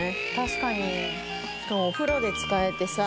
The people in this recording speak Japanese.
しかもお風呂で使えてさ。